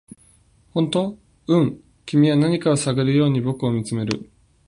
「本当？」「うん」君は何かを探るように僕を見つめる